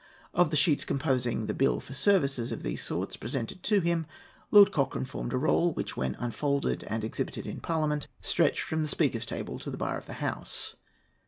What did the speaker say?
Of the sheets composing the bill for services of these sorts presented to him, Lord Cochrane formed a roll which, when unfolded and exhibited in Parliament, stretched from the Speaker's table to the bar of the House.